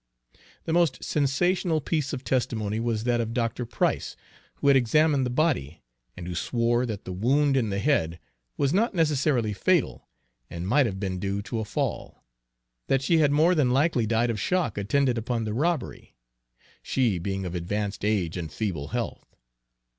The most sensational piece of testimony was that of Dr. Price, who had examined the body, and who swore that the wound in the head was not necessarily fatal, and might have been due to a fall, that she had more than likely died of shock attendant upon the robbery, she being of advanced age and feeble health.